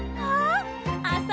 ああ！